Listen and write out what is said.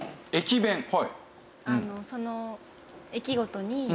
その駅ごとに。